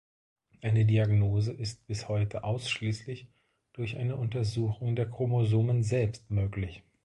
Eine Diagnose ist bis heute ausschließlich durch eine Untersuchung der Chromosomen selbst möglich.